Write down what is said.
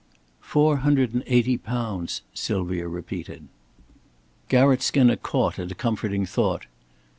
"Four hundred and eighty pounds," Sylvia repeated. Garratt Skinner caught at a comforting thought.